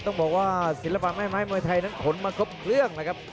กระโดยสิ้งเล็กนี่ออกกันขาสันเหมือนกันครับ